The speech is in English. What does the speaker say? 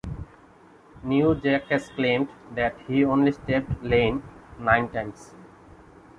New Jack has claimed that he only stabbed Lane nine times.